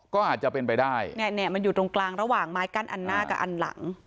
ก็อาจจะเป็นไปได้เนี่ยเนี่ยมันอยู่ตรงกลางระหว่างไม้กั้นอันหน้ากับอันหลัง